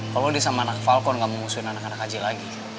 kalau dia sama anak falcon nggak mau ngusuin anak anak haji lagi